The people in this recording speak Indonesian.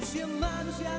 itu kita manusia manusia kuat